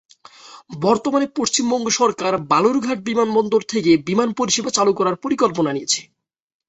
বর্তমানে পশ্চিমবঙ্গ সরকার বালুরঘাট বিমানবন্দরের থেকে বিমান পরিষেবা চালু করার পরিকল্পনা নিয়েছে।